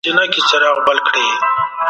ایا مطالعه د ذهن پر پراختیا اغېزه لري؟